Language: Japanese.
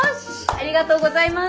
ありがとうございます！